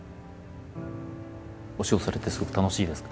お仕事されてすごく楽しいですか？